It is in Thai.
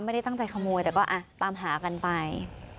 ไม่ได้ตั้งใจขโมยแต่ก็ตามหากันไป